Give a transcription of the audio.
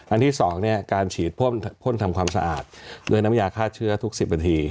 ที่๒การฉีดพ่นทำความสะอาดด้วยน้ำยาฆ่าเชื้อทุก๑๐นาที